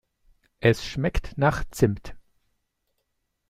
Es schmeckt nach Zimt.